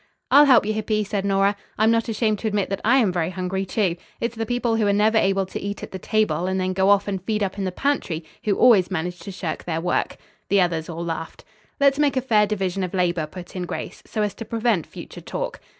"I'll help you, Hippy," said Nora. "I'm not ashamed to admit that I am very hungry too. It's the people who are never able to eat at the table, and then go off and feed up in the pantry, who always manage to shirk their work." The others all laughed. "Let's make a fair division of labor," put in Grace, "so as to prevent future talk."